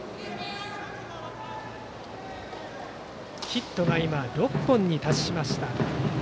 ヒットが今、６本に達しました。